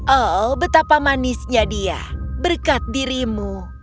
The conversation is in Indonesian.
oh betapa manisnya dia berkat dirimu